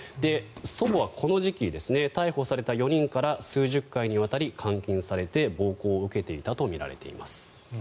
祖母はこの時期逮捕された４人から数十回にわたり監禁されて暴行を受けていたとみられています。